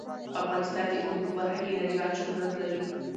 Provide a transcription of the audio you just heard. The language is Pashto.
افغانستان د اوړي په برخه کې نړیوال شهرت لري.